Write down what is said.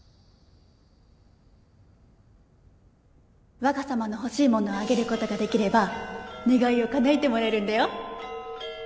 わが様の欲しい物あげることができれば願いをかなえてもらえるんだよ